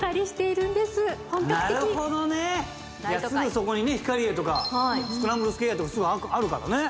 すぐそこにヒカリエとかスクランブルスクエアとかあるからね。